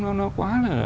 nó quá là